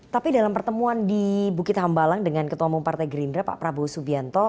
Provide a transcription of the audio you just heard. tapi dalam pertemuan di bukit hambalang dengan ketua umum partai gerindra pak prabowo subianto